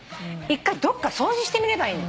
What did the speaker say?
一回どっか掃除してみればいい。